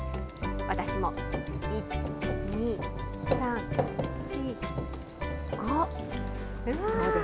私も１、２、３、４、５。